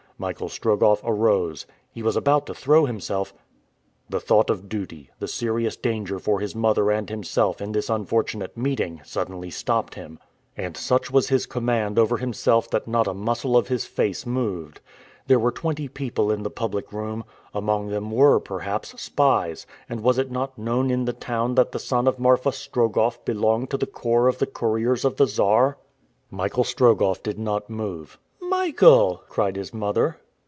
Michael Strogoff arose. He was about to throw himself The thought of duty, the serious danger for his mother and himself in this unfortunate meeting, suddenly stopped him, and such was his command over himself that not a muscle of his face moved. There were twenty people in the public room. Among them were, perhaps, spies, and was it not known in the town that the son of Marfa Strogoff belonged to the corps of the couriers of the Czar? Michael Strogoff did not move. "Michael!" cried his mother.